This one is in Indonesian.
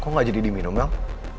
kok gak jadi diminum bang